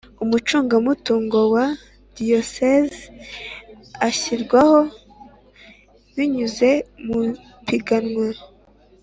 Umucungamutungo wa Diyosezi ashyirwaho binyuze mu ipiganwa